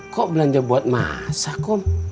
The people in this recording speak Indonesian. kok belanja buat masak kum